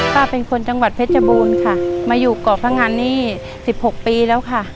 ป้าเป็นคนจังหวัดเพชรบูรณ์ค่ะมาอยู่เกาะพงันนี่๑๖ปีแล้วค่ะ